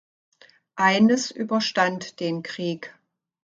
Eines überstand den Krieg.